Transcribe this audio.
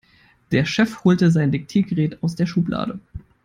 Der Chef holte sein Diktiergerät aus der Schublade.